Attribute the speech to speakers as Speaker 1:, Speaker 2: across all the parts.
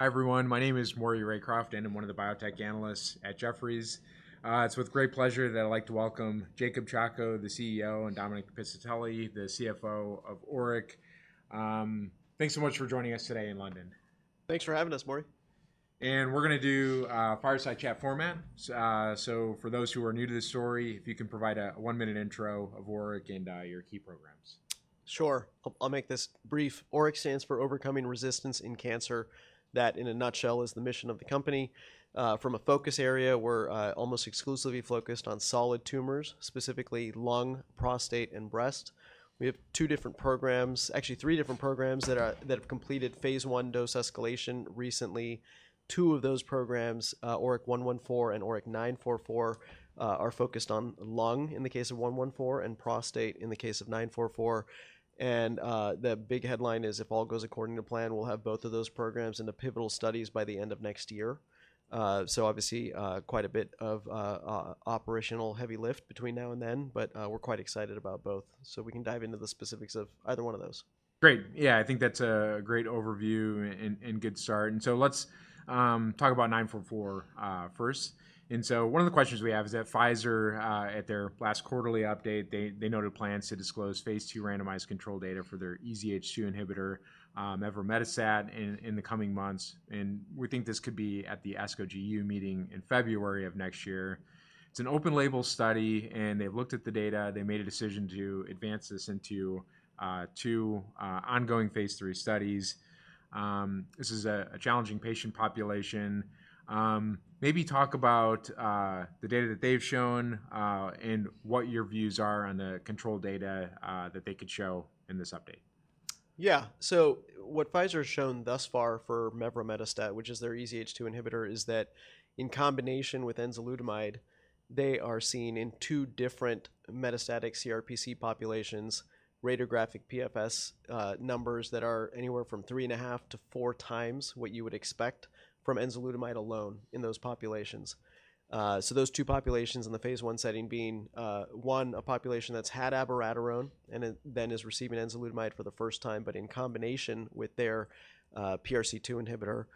Speaker 1: Hi everyone. My name is Maury Raycroft, and I'm one of the biotech analysts at Jefferies. It's with great pleasure that I'd like to welcome Jacob Chacko, the CEO, and Dominic Piscitelli, the CFO of ORIC. Thanks so much for joining us today in London.
Speaker 2: Thanks for having us, Maury.
Speaker 1: We're going to do a fireside chat format. For those who are new to the story, if you can provide a one-minute intro of ORIC and your key programs.
Speaker 2: Sure. I'll make this brief. ORIC stands for Overcoming Resistance in Cancer, that in a nutshell is the mission of the company. From a focus area, we're almost exclusively focused on solid tumors, specifically lung, prostate, and breast. We have two different programs, actually three different programs that have completed phase one dose escalation recently. Two of those programs, ORIC-114 and ORIC-944, are focused on lung in the case of 114 and prostate in the case of 944. And the big headline is, if all goes according to plan, we'll have both of those programs and the pivotal studies by the end of next year. So obviously, quite a bit of operational heavy lift between now and then, but we're quite excited about both. So we can dive into the specifics of either one of those.
Speaker 1: Great. Yeah, I think that's a great overview and good start. And so let's talk about 944 first. And so one of the questions we have is that Pfizer, at their last quarterly update, they noted plans to disclose phase 2 randomized control data for their EZH2 inhibitor, mevrometostat, in the coming months. And we think this could be at the ASCO GU meeting in February of next year. It's an open-label study, and they've looked at the data. They made a decision to advance this into two ongoing phase 3 studies. This is a challenging patient population. Maybe talk about the data that they've shown and what your views are on the control data that they could show in this update.
Speaker 2: Yeah. So what Pfizer has shown thus far for mevrometostat, which is their EZH2 inhibitor, is that in combination with enzalutamide, they are seen in two different metastatic CRPC populations, radiographic PFS numbers that are anywhere from three and a half to four times what you would expect from enzalutamide alone in those populations. So those two populations in the phase 1 setting being one, a population that's had abiraterone and then is receiving enzalutamide for the first time, but in combination with their PRC2 inhibitor.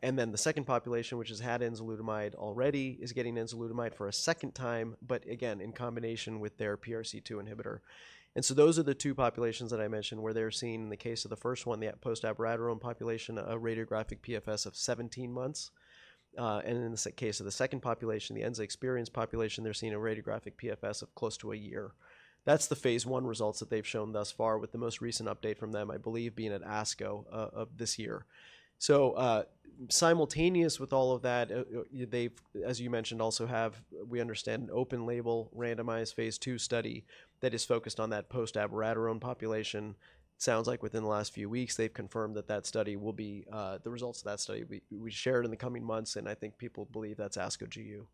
Speaker 2: And then the second population, which has had enzalutamide already, is getting enzalutamide for a second time, but again, in combination with their PRC2 inhibitor. And so those are the two populations that I mentioned where they're seen in the case of the first one, the post-abiraterone population, a radiographic PFS of 17 months. In the case of the second population, the enza-experienced population, they're seeing a radiographic PFS of close to a year. That's the phase one results that they've shown thus far, with the most recent update from them, I believe, being at ASCO this year. So simultaneous with all of that, they've, as you mentioned, also have, we understand, an open label randomized phase two study that is focused on that post-abiraterone population. Sounds like within the last few weeks, they've confirmed that the results of that study will be shared in the coming months. I think people believe that's ASCO GU.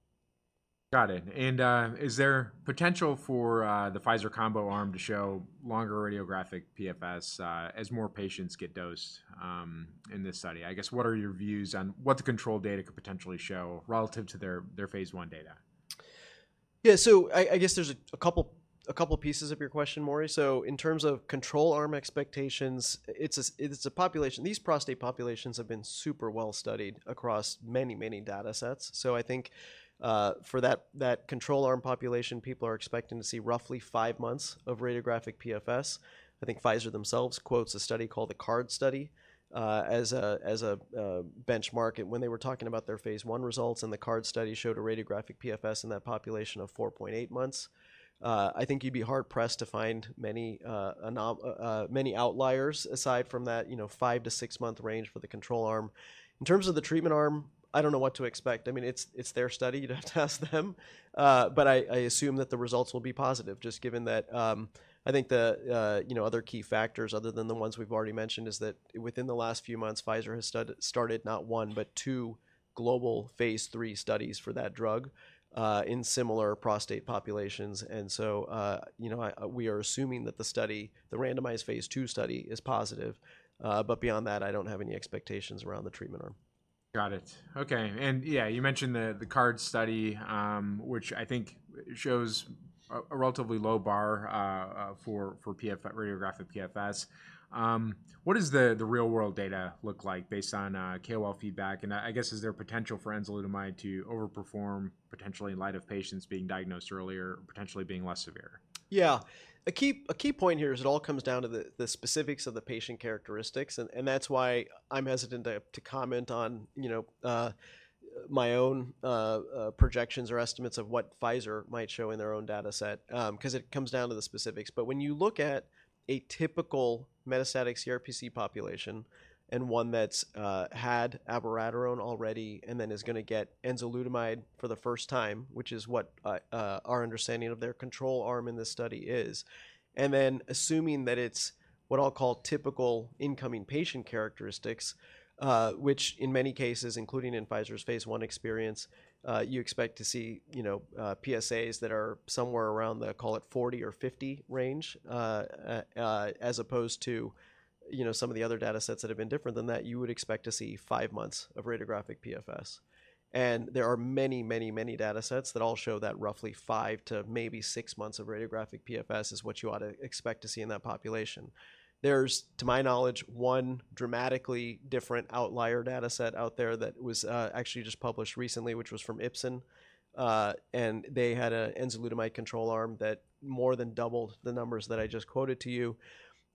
Speaker 1: Got it. And is there potential for the Pfizer combo arm to show longer radiographic PFS as more patients get dosed in this study? I guess, what are your views on what the control data could potentially show relative to their phase 1 data?
Speaker 2: Yeah, so I guess there's a couple pieces of your question, Maury. So in terms of control arm expectations, it's a population. These prostate populations have been super well studied across many, many data sets. So I think for that control arm population, people are expecting to see roughly five months of radiographic PFS. I think Pfizer themselves quotes a study called the CARD study as a benchmark. And when they were talking about their phase 1 results, and the CARD study showed a radiographic PFS in that population of 4.8 months, I think you'd be hard pressed to find many outliers aside from that five to six month range for the control arm. In terms of the treatment arm, I don't know what to expect. I mean, it's their study. You'd have to ask them. But I assume that the results will be positive, just given that I think the other key factors other than the ones we've already mentioned is that within the last few months, Pfizer has started not one, but two global phase 3 studies for that drug in similar prostate populations. And so we are assuming that the study, the randomized phase 2 study, is positive. But beyond that, I don't have any expectations around the treatment arm.
Speaker 1: Got it. Okay. And yeah, you mentioned the CARD study, which I think shows a relatively low bar for radiographic PFS. What does the real-world data look like based on KOL feedback? And I guess, is there potential for enzalutamide to overperform potentially in light of patients being diagnosed earlier, potentially being less severe?
Speaker 2: Yeah. A key point here is it all comes down to the specifics of the patient characteristics. And that's why I'm hesitant to comment on my own projections or estimates of what Pfizer might show in their own data set, because it comes down to the specifics. But when you look at a typical metastatic CRPC population and one that's had abiraterone already and then is going to get enzalutamide for the first time, which is what our understanding of their control arm in this study is, and then assuming that it's what I'll call typical incoming patient characteristics, which in many cases, including in Pfizer's phase 1 experience, you expect to see PSAs that are somewhere around the, call it 40 or 50 range, as opposed to some of the other data sets that have been different than that, you would expect to see five months of radiographic PFS. And there are many, many, many data sets that all show that roughly five to maybe six months of radiographic PFS is what you ought to expect to see in that population. There's, to my knowledge, one dramatically different outlier data set out there that was actually just published recently, which was from Ipsen. And they had an enzalutamide control arm that more than doubled the numbers that I just quoted to you.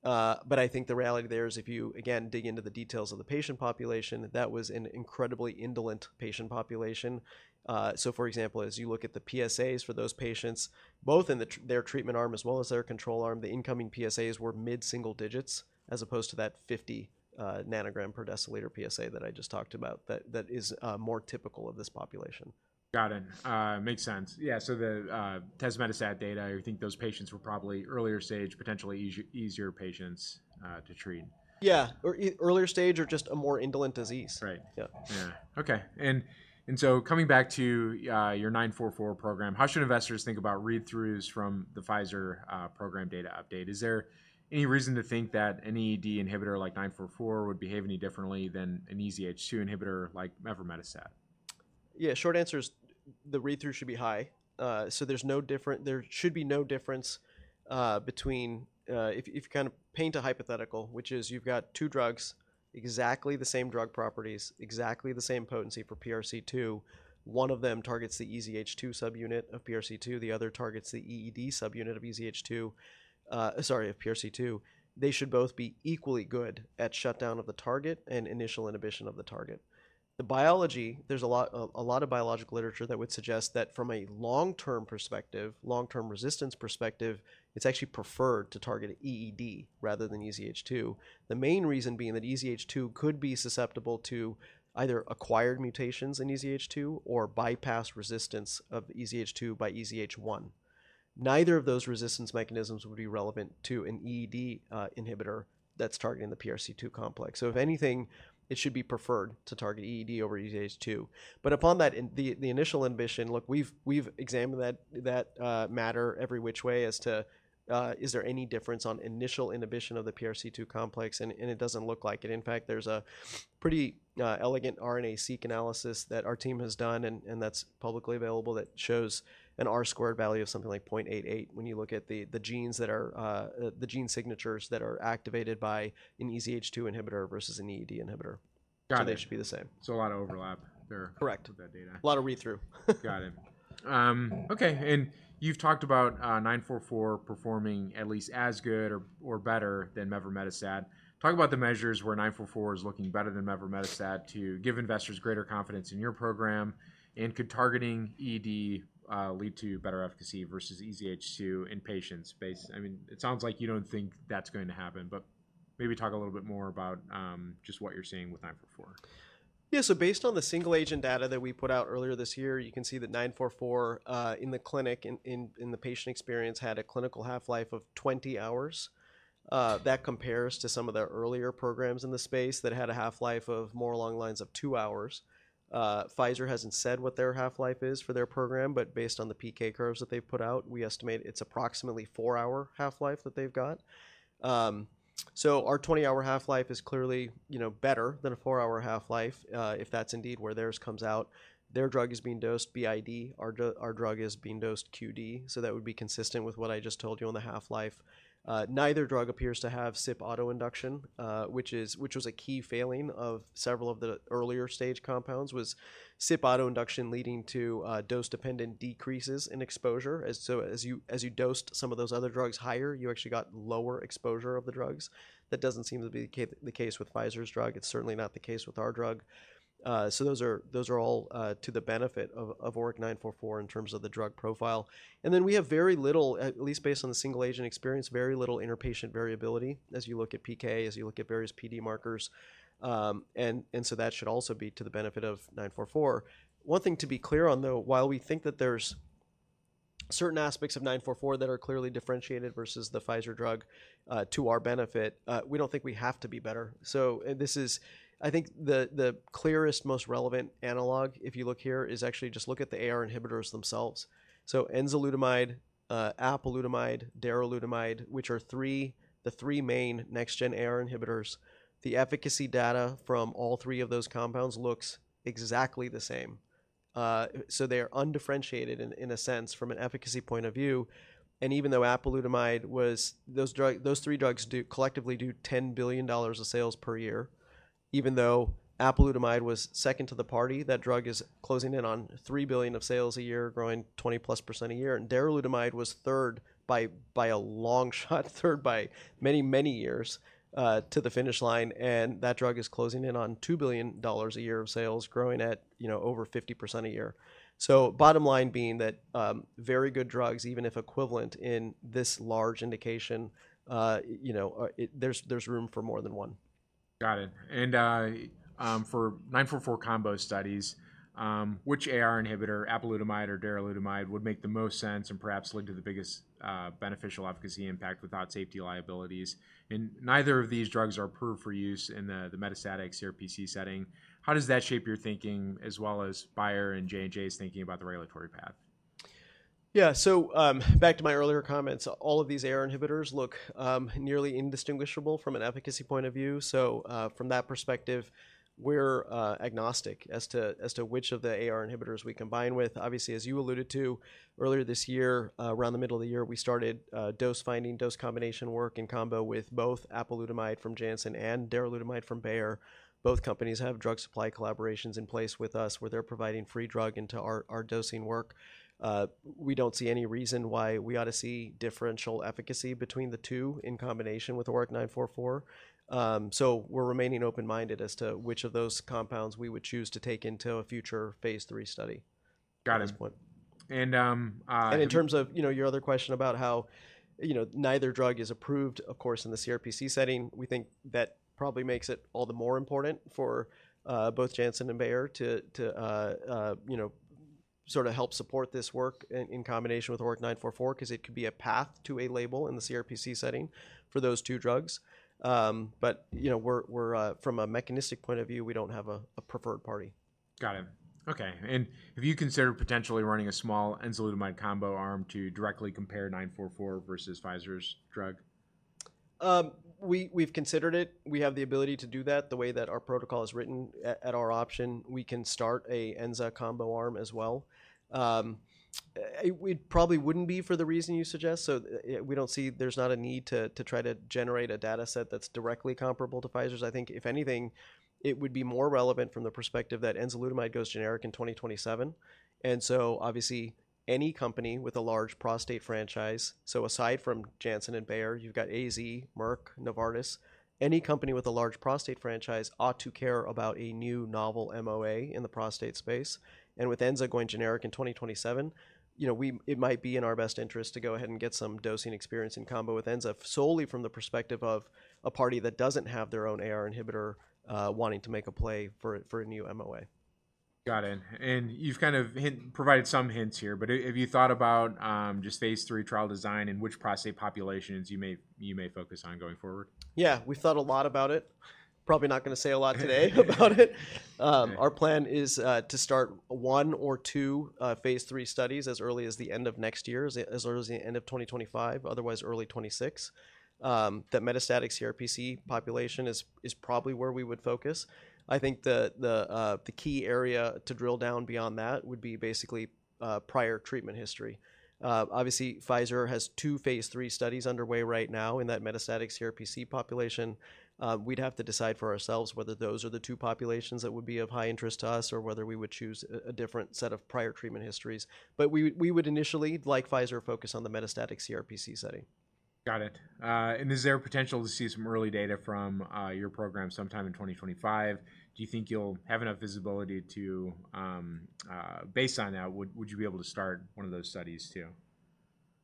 Speaker 2: But I think the reality there is if you again dig into the details of the patient population, that was an incredibly indolent patient population. So for example, as you look at the PSAs for those patients, both in their treatment arm as well as their control arm, the incoming PSAs were mid-single digits as opposed to that 50 nanogram per deciliter PSA that I just talked about that is more typical of this population.
Speaker 1: Got it. Makes sense. Yeah. So the latest metastatic data, I think those patients were probably earlier stage, potentially easier patients to treat.
Speaker 2: Yeah, or earlier stage, or just a more indolent disease.
Speaker 1: Right. Yeah. Okay. And so coming back to your 944 program, how should investors think about read-throughs from the Pfizer program data update? Is there any reason to think that any EED inhibitor like 944 would behave any differently than an EZH2 inhibitor like mevrometostat?
Speaker 2: Yeah. Short answer is the read-through should be high, so there's no difference. There should be no difference between if you kind of paint a hypothetical, which is you've got two drugs, exactly the same drug properties, exactly the same potency for PRC2. One of them targets the EZH2 subunit of PRC2. The other targets the EED subunit of EZH2, sorry, of PRC2. They should both be equally good at shutdown of the target and initial inhibition of the target. The biology, there's a lot of biological literature that would suggest that from a long-term perspective, long-term resistance perspective, it's actually preferred to target EED rather than EZH2. The main reason being that EZH2 could be susceptible to either acquired mutations in EZH2 or bypass resistance of EZH2 by EZH1. Neither of those resistance mechanisms would be relevant to an EED inhibitor that's targeting the PRC2 complex. So if anything, it should be preferred to target EED over EZH2. But upon that, the initial inhibition, look, we've examined that matter every which way as to is there any difference on initial inhibition of the PRC2 complex, and it doesn't look like it. In fact, there's a pretty elegant RNA-seq analysis that our team has done, and that's publicly available, that shows an R-squared value of something like 0.88 when you look at the genes that are the gene signatures that are activated by an EZH2 inhibitor versus an EED inhibitor. So they should be the same.
Speaker 1: A lot of overlap there with that data.
Speaker 2: Correct. A lot of read-through.
Speaker 1: Got it. Okay. And you've talked about 944 performing at least as good or better than mevrometostat. Talk about the measures where 944 is looking better than mevrometostat to give investors greater confidence in your program. And could targeting EED lead to better efficacy versus EZH2 in patients? I mean, it sounds like you don't think that's going to happen, but maybe talk a little bit more about just what you're seeing with 944.
Speaker 2: Yeah. So based on the single agent data that we put out earlier this year, you can see that 944 in the clinic, in the patient experience, had a clinical half-life of 20 hours. That compares to some of the earlier programs in the space that had a half-life of more along the lines of two hours. Pfizer hasn't said what their half-life is for their program, but based on the PK curves that they've put out, we estimate it's approximately four-hour half-life that they've got. So our 20-hour half-life is clearly better than a four-hour half-life if that's indeed where theirs comes out. Their drug is being dosed BID. Our drug is being dosed QD. So that would be consistent with what I just told you on the half-life. Neither drug appears to have CYP autoinduction, which was a key failing of several of the earlier stage compounds, CYP autoinduction leading to dose-dependent decreases in exposure. So as you dosed some of those other drugs higher, you actually got lower exposure of the drugs. That doesn't seem to be the case with Pfizer's drug. It's certainly not the case with our drug. So those are all to the benefit of ORIC-944 in terms of the drug profile. And then we have very little, at least based on the single agent experience, very little interpatient variability as you look at PK, as you look at various PD markers. And so that should also be to the benefit of ORIC-944. One thing to be clear on, though, while we think that there's certain aspects of 944 that are clearly differentiated versus the Pfizer drug to our benefit, we don't think we have to be better. So this is, I think, the clearest, most relevant analog if you look here is actually just look at the AR inhibitors themselves. So enzalutamide, apalutamide, daralutamide, which are the three main next-gen AR inhibitors. The efficacy data from all three of those compounds looks exactly the same. So they are undifferentiated in a sense from an efficacy point of view. And those three drugs collectively do $10 billion of sales per year, even though apalutamide was second to the party, that drug is closing in on $3 billion of sales a year, growing 20+% a year. And daralutamide was third by a long shot, third by many, many years to the finish line. And that drug is closing in on $2 billion a year of sales, growing at over 50% a year. So bottom line being that very good drugs, even if equivalent in this large indication, there's room for more than one.
Speaker 1: Got it. And for 944 combo studies, which AR inhibitor, apalutamide or daralutamide, would make the most sense and perhaps lead to the biggest beneficial efficacy impact without safety liabilities? And neither of these drugs are approved for use in the metastatic CRPC setting. How does that shape your thinking as well as Bayer and J&J's thinking about the regulatory path?
Speaker 2: Yeah. So back to my earlier comments, all of these AR inhibitors look nearly indistinguishable from an efficacy point of view. So from that perspective, we're agnostic as to which of the AR inhibitors we combine with. Obviously, as you alluded to earlier this year, around the middle of the year, we started dose-finding, dose combination work in combo with both apalutamide from Janssen and daralutamide from Bayer. Both companies have drug supply collaborations in place with us where they're providing free drug into our dosing work. We don't see any reason why we ought to see differential efficacy between the two in combination with ORIC-944. So we're remaining open-minded as to which of those compounds we would choose to take into a future phase 3 study.
Speaker 1: Got it.
Speaker 2: And in terms of your other question about how neither drug is approved, of course, in the CRPC setting, we think that probably makes it all the more important for both Janssen and Bayer to sort of help support this work in combination with ORIC-944 because it could be a path to a label in the CRPC setting for those two drugs. But from a mechanistic point of view, we don't have a preferred party.
Speaker 1: Got it. Okay. And have you considered potentially running a small enzalutamide combo arm to directly compare 944 versus Pfizer's drug?
Speaker 2: We've considered it. We have the ability to do that the way that our protocol is written at our option. We can start an enzalutamide combo arm as well. It probably wouldn't be for the reason you suggest. So we don't see there's not a need to try to generate a data set that's directly comparable to Pfizer's. I think if anything, it would be more relevant from the perspective that enzalutamide goes generic in 2027. And so obviously, any company with a large prostate franchise, so aside from Janssen and Bayer, you've got AZ, Merck, Novartis, any company with a large prostate franchise ought to care about a new novel MOA in the prostate space. With enzalutamide going generic in 2027, it might be in our best interest to go ahead and get some dosing experience in combo with enzalutamide solely from the perspective of a party that doesn't have their own AR inhibitor wanting to make a play for a new MOA.
Speaker 1: Got it. And you've kind of provided some hints here, but have you thought about just phase 3 trial design and which prostate populations you may focus on going forward?
Speaker 2: Yeah. We've thought a lot about it. Probably not going to say a lot today about it. Our plan is to start one or two phase 3 studies as early as the end of next year, as early as the end of 2025, otherwise early 2026. That metastatic CRPC population is probably where we would focus. I think the key area to drill down beyond that would be basically prior treatment history. Obviously, Pfizer has two phase 3 studies underway right now in that metastatic CRPC population. We'd have to decide for ourselves whether those are the two populations that would be of high interest to us or whether we would choose a different set of prior treatment histories. But we would initially, like Pfizer, focus on the metastatic CRPC setting.
Speaker 1: Got it and is there a potential to see some early data from your program sometime in 2025? Do you think you'll have enough visibility to, based on that, would you be able to start one of those studies too?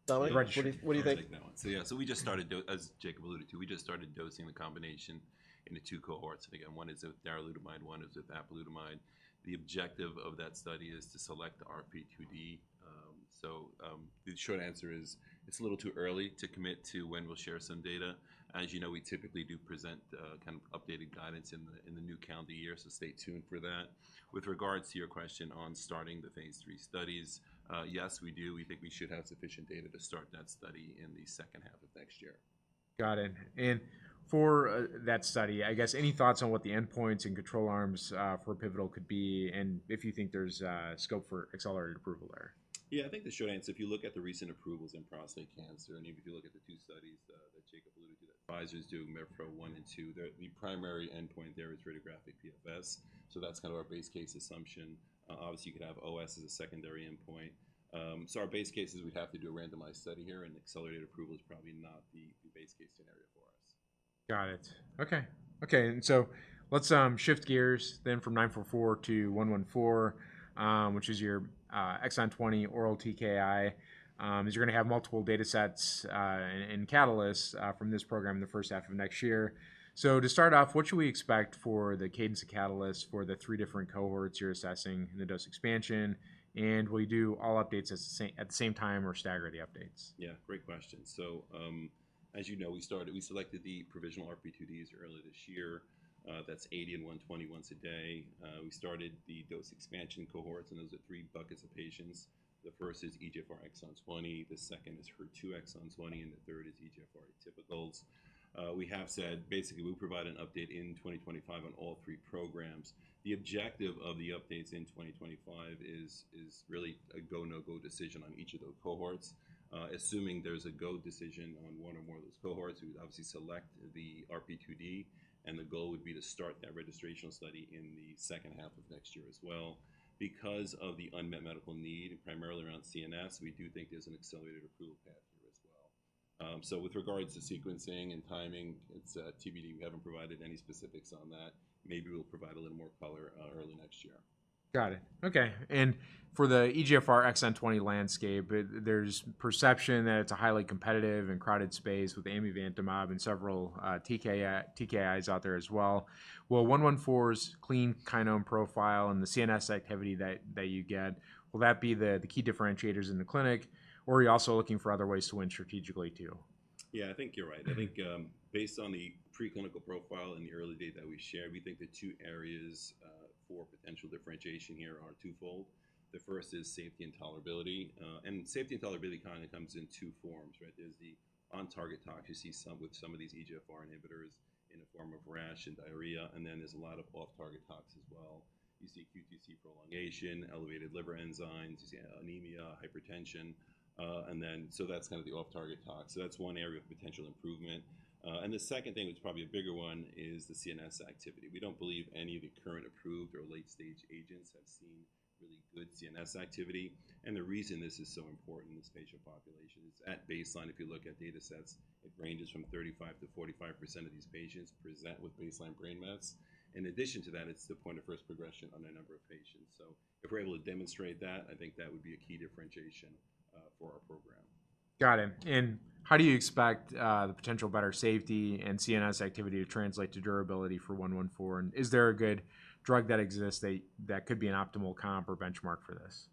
Speaker 2: What do you think?
Speaker 3: Yeah. We just started, as Jacob alluded to, we just started dosing the combination into two cohorts. And again, one is with daralutamide, one is with apalutamide. The objective of that study is to select the RP2D. The short answer is it's a little too early to commit to when we'll share some data. As you know, we typically do present kind of updated guidance in the new calendar year. Stay tuned for that. With regards to your question on starting the phase three studies, yes, we do. We think we should have sufficient data to start that study in the second half of next year.
Speaker 1: Got it. And for that study, I guess, any thoughts on what the endpoints and control arms for Pivotal could be and if you think there's scope for accelerated approval there?
Speaker 3: Yeah. I think the short answer, if you look at the recent approvals in prostate cancer, and even if you look at the two studies that Jacob alluded to that Pfizer's doing mevrometostat one and two, the primary endpoint there is radiographic PFS. So that's kind of our base case assumption. Obviously, you could have OS as a secondary endpoint. So our base case is we'd have to do a randomized study here, and accelerated approval is probably not the base case scenario for us.
Speaker 1: Got it. Okay. Okay. And so let's shift gears then from 944 to 114, which is your Exon 20 oral TKI. You're going to have multiple data sets and catalysts from this program in the first half of next year. So to start off, what should we expect for the cadence of catalysts for the three different cohorts you're assessing in the dose expansion? And will you do all updates at the same time or stagger the updates?
Speaker 3: Yeah. Great question, so as you know, we selected the provisional RP2Ds early this year. That's 80 and 120 once a day. We started the dose expansion cohorts, and those are three buckets of patients. The first is EGFR Exon 20. The second is HER2 Exon 20, and the third is EGFR atypicals. We have said basically we'll provide an update in 2025 on all three programs. The objective of the updates in 2025 is really a go, no-go decision on each of those cohorts. Assuming there's a go decision on one or more of those cohorts, we would obviously select the RP2D, and the goal would be to start that registration study in the second half of next year as well. Because of the unmet medical need primarily around CNS, we do think there's an accelerated approval path here as well. So with regards to sequencing and timing, it's TBD. We haven't provided any specifics on that. Maybe we'll provide a little more color early next year.
Speaker 1: Got it. Okay. And for the EGFR Exon 20 landscape, there's perception that it's a highly competitive and crowded space with amivantamab and several TKIs out there as well. Will 114's clean kinase profile and the CNS activity that you get, will that be the key differentiators in the clinic, or are you also looking for other ways to win strategically too?
Speaker 3: Yeah, I think you're right. I think based on the preclinical profile and the early data that we shared, we think the two areas for potential differentiation here are twofold. The first is safety and tolerability. And safety and tolerability kind of comes in two forms, right? There's the on-target toxicity with some of these EGFR inhibitors in the form of rash and diarrhea. And then there's a lot of off-target tox as well. You see QTc prolongation, elevated liver enzymes, you see anemia, hypertension. And then so that's kind of the off-target tox. So that's one area of potential improvement. And the second thing, which is probably a bigger one, is the CNS activity. We don't believe any of the current approved or late-stage agents have seen really good CNS activity. The reason this is so important in this patient population is, at baseline, if you look at data sets, it ranges from 35%-45% of these patients present with baseline brain mets. In addition to that, it's the point of first progression on a number of patients. If we're able to demonstrate that, I think that would be a key differentiation for our program.
Speaker 1: Got it. And how do you expect the potential better safety and CNS activity to translate to durability for 114? And is there a good drug that exists that could be an optimal comp or benchmark for this?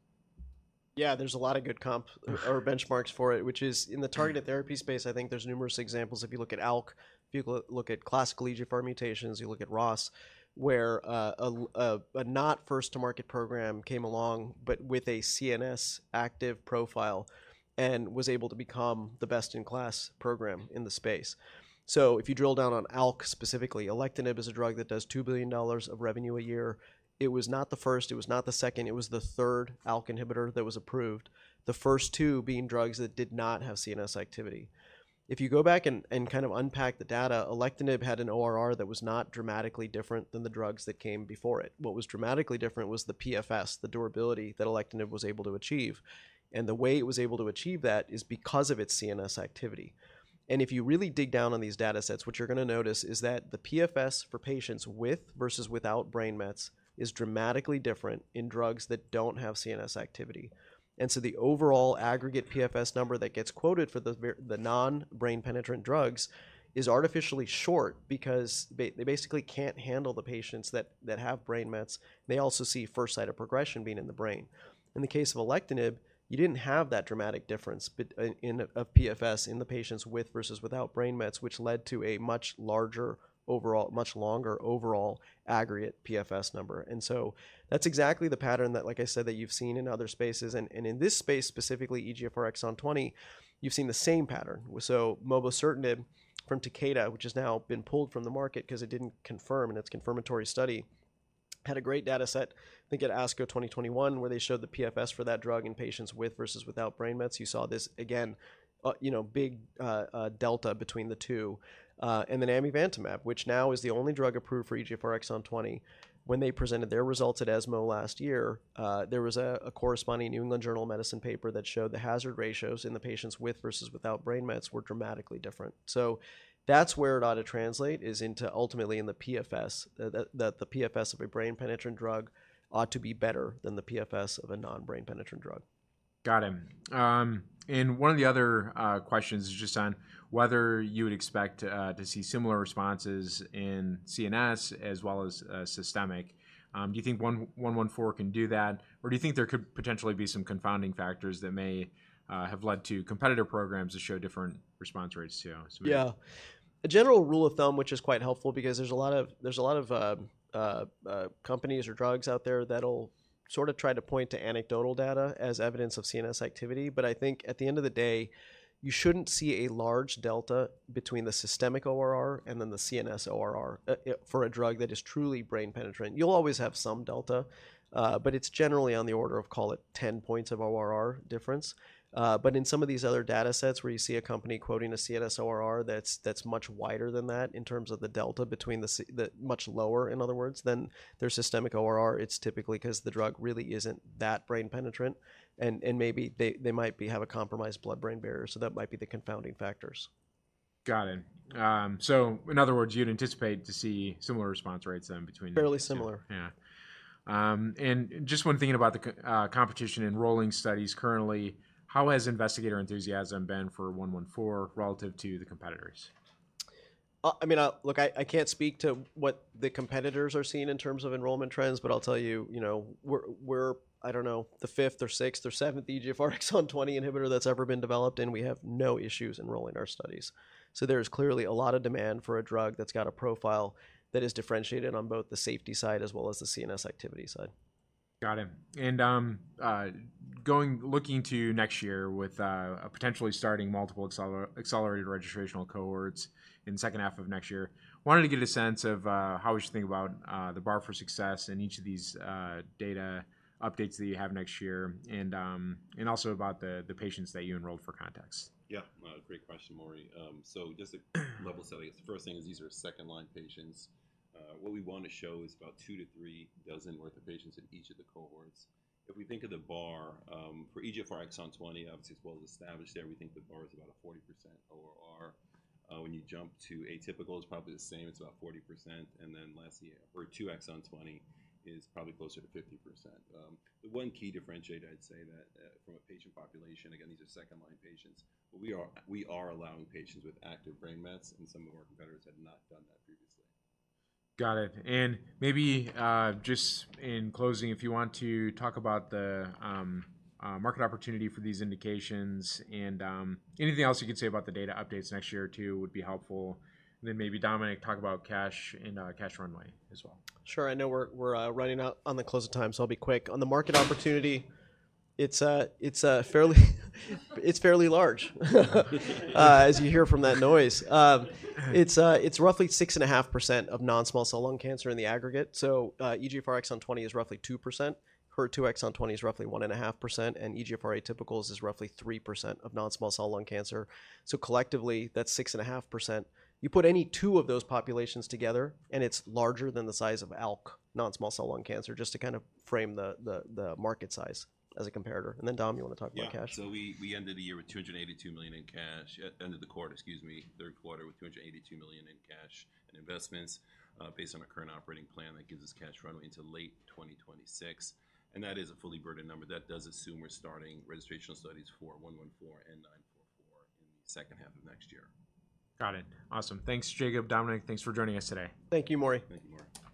Speaker 2: Yeah, there's a lot of good comp or benchmarks for it, which is in the targeted therapy space. I think there's numerous examples. If you look at ALK, if you look at classical EGFR mutations, you look at ROS, where a not first-to-market program came along but with a CNS active profile and was able to become the best-in-class program in the space. So if you drill down on ALK specifically, alectinib is a drug that does $2 billion of revenue a year. It was not the first. It was not the second. It was the third ALK inhibitor that was approved, the first two being drugs that did not have CNS activity. If you go back and kind of unpack the data, alectinib had an ORR that was not dramatically different than the drugs that came before it. What was dramatically different was the PFS, the durability that alectinib was able to achieve. And the way it was able to achieve that is because of its CNS activity. And if you really dig down on these data sets, what you're going to notice is that the PFS for patients with versus without brain mets is dramatically different in drugs that don't have CNS activity. And so the overall aggregate PFS number that gets quoted for the non-brain penetrant drugs is artificially short because they basically can't handle the patients that have brain mets. They also see first site of progression being in the brain. In the case of alectinib, you didn't have that dramatic difference of PFS in the patients with versus without brain mets, which led to a much larger overall, much longer overall aggregate PFS number. And so that's exactly the pattern that, like I said, that you've seen in other spaces. And in this space, specifically EGFR Exon 20, you've seen the same pattern. So mobocertinib from Takeda, which has now been pulled from the market because it didn't confirm, and it's a confirmatory study, had a great data set. I think at ASCO 2021, where they showed the PFS for that drug in patients with versus without brain mets, you saw this, again, big delta between the two. And then amivantamab, which now is the only drug approved for EGFR Exon 20, when they presented their results at ESMO last year, there was a corresponding New England Journal of Medicine paper that showed the hazard ratios in the patients with versus without brain mets were dramatically different. So that's where it ought to translate into ultimately in the PFS, that the PFS of a brain-penetrant drug ought to be better than the PFS of a non-brain-penetrant drug.
Speaker 1: Got it. And one of the other questions is just on whether you would expect to see similar responses in CNS as well as systemic. Do you think 114 can do that, or do you think there could potentially be some confounding factors that may have led to competitor programs that show different response rates too?
Speaker 2: Yeah. A general rule of thumb, which is quite helpful because there's a lot of companies or drugs out there that'll sort of try to point to anecdotal data as evidence of CNS activity. But I think at the end of the day, you shouldn't see a large delta between the systemic ORR and then the CNS ORR for a drug that is truly brain penetrant. You'll always have some delta, but it's generally on the order of, call it 10 points of ORR difference. But in some of these other data sets where you see a company quoting a CNS ORR that's much wider than that in terms of the delta between the much lower, in other words, than their systemic ORR, it's typically because the drug really isn't that brain penetrant. And maybe they might have a compromised blood-brain barrier. So that might be the confounding factors.
Speaker 1: Got it. So in other words, you'd anticipate to see similar response rates then between.
Speaker 2: Fairly similar.
Speaker 1: Yeah. And just when thinking about the competition enrolling studies currently, how has investigator enthusiasm been for 114 relative to the competitors?
Speaker 2: I mean, look, I can't speak to what the competitors are seeing in terms of enrollment trends, but I'll tell you, we're, I don't know, the fifth or sixth or seventh EGFR Exon 20 inhibitor that's ever been developed, and we have no issues enrolling our studies. So there's clearly a lot of demand for a drug that's got a profile that is differentiated on both the safety side as well as the CNS activity side.
Speaker 1: Got it. And looking to next year with potentially starting multiple accelerated registrational cohorts in the second half of next year, wanted to get a sense of how we should think about the bar for success and each of these data updates that you have next year, and also about the patients that you enrolled for context.
Speaker 3: Yeah. Great question, Maury. So just to level-setting, the first thing is these are second-line patients. What we want to show is about two to three dozen's worth of patients in each of the cohorts. If we think of the bar for EGFR Exon 20, obviously, it's well established there. We think the bar is about a 40% ORR. When you jump to atypical, it's probably the same. It's about 40%. And then lastly, HER2 Exon 20 is probably closer to 50%. The one key differentiator, I'd say, that from a patient population, again, these are second-line patients, but we are allowing patients with active brain mets, and some of our competitors had not done that previously.
Speaker 1: Got it. And maybe just in closing, if you want to talk about the market opportunity for these indications and anything else you can say about the data updates next year or two would be helpful. And then maybe Dominic, talk about cash and cash runway as well.
Speaker 2: Sure. I know we're running out on the close of time, so I'll be quick. On the market opportunity, it's fairly large, as you hear from that noise. It's roughly 6.5% of non-small cell lung cancer in the aggregate. So EGFR Exon 20 is roughly 2%. HER2 Exon 20 is roughly 1.5%. And EGFR atypicals is roughly 3% of non-small cell lung cancer. So collectively, that's 6.5%. You put any two of those populations together, and it's larger than the size of ALK, non-small cell lung cancer, just to kind of frame the market size as a comparator. And then, Dom, you want to talk about cash?
Speaker 3: Yeah. So we ended the year with $282 million in cash. End of the quarter, excuse me, third quarter with $282 million in cash and investments based on our current operating plan that gives us cash runway into late 2026. And that is a fully burdened number. That does assume we're starting registrational studies for 114 and 944 in the second half of next year.
Speaker 1: Got it. Awesome. Thanks, Jacob. Dominic, thanks for joining us today.
Speaker 2: Thank you, Maury.
Speaker 3: Thank you, Maury.